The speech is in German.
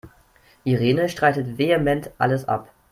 Irene streitet vehement alles ab.